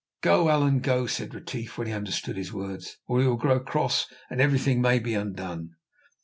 "Go, Allan, go," said Retief, when he understood his words, "or he will grow cross and everything may be undone."